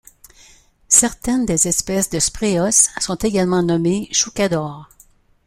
Certaines des espèces de spréos sont également nommées choucadors.